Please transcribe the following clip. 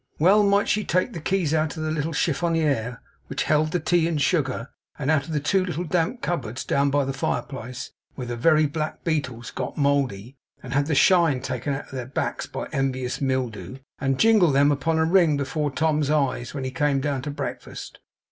Well might she take the keys out of the little chiffonier which held the tea and sugar; and out of the two little damp cupboards down by the fireplace, where the very black beetles got mouldy, and had the shine taken out of their backs by envious mildew; and jingle them upon a ring before Tom's eyes when he came down to breakfast!